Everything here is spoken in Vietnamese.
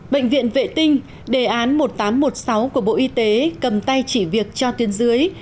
bệnh viện vệ tinh đề án một nghìn tám trăm một mươi sáu của bộ y tế cầm tay chỉ việc cho tuyên dưới